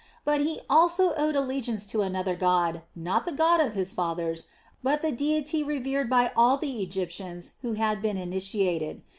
But he also owed allegiance to another god, not the God of his fathers, but the deity revered by all the Egyptians who had been initiated.